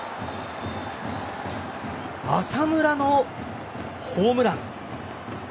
浅村のホームラン！